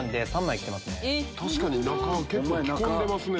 確かに着込んでますね。